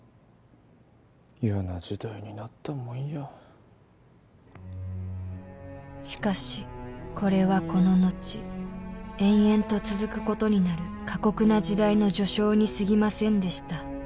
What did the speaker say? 嫌な時代になったもんやしかしこれはこの後延々と続くことになる過酷な時代の序章にすぎませんでした